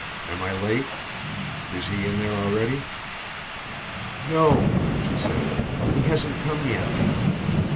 "Am I late? Is he in there already?" "No," she said. "He hasn't come yet."